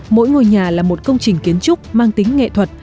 mỗi ngôi nhà là một công trình kiến trúc mang tính nghệ thuật